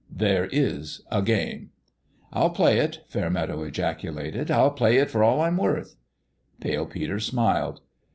" There is a game." " I'll play it !" Fairmeadow ejaculated. " I'll play it for all I'm worth !" Pale Peter smiled.